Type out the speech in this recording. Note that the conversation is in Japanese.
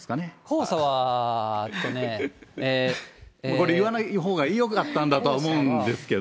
これ、言わないほうがよかったんだとは思うんですけど。